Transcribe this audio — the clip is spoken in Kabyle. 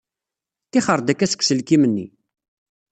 Ttixer-d akka seg uselkim-nni.